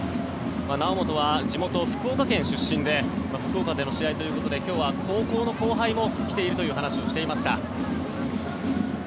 猶本は地元・福岡県出身で福岡での試合ということで今日は高校の後輩も来ているという話をしていました。